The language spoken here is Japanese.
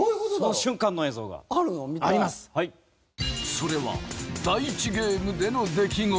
それは第１ゲームでの出来事。